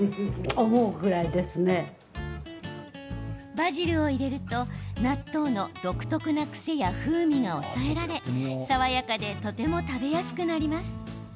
バジルを入れると納豆の独特な癖や風味が抑えられ爽やかでとても食べやすくなります。